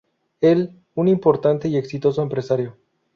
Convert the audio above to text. Él, un importante y exitoso empresario.